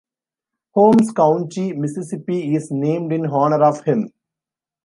Holmes County, Mississippi is named in honor of him.